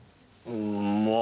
うんまあ